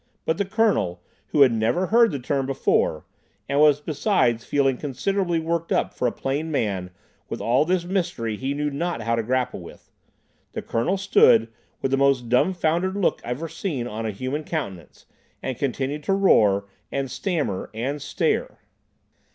But the Colonel—who had never heard the term before, and was besides feeling considerably worked up for a plain man with all this mystery he knew not how to grapple with—the Colonel stood, with the most dumfoundered look ever seen on a human countenance, and continued to roar, and stammer, and stare.